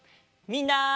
みんな！